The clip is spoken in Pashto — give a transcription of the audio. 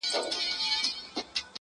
چي اې زویه اې زما د سترګو توره!!